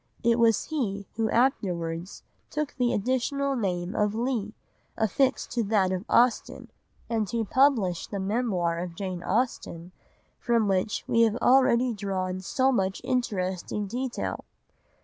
It was he who afterwards took the additional name of Leigh, affixed to that of Austen, and who published the Memoir of Jane Austen from which we have already drawn so much interesting detail.